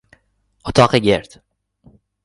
اتاق گرد